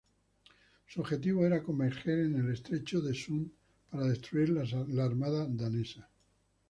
Su objetivo era converger en el estrecho del Sund para destruir la armada danesa.